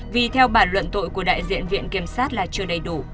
vì theo bản luận tội của đại diện viện kiểm sát là chưa đầy đủ